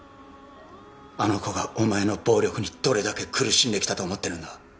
あの子がお前の暴力にどれだけ苦しんできたと思ってるんだ？